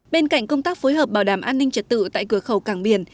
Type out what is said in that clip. bên cạnh công tác phối hợp bảo đảm an ninh trật tự tại cửa khẩu càng biển